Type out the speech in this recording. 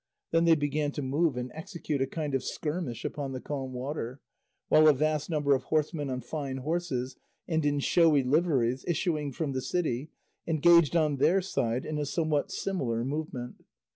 Then they began to move and execute a kind of skirmish upon the calm water, while a vast number of horsemen on fine horses and in showy liveries, issuing from the city, engaged on their side in a somewhat similar movement.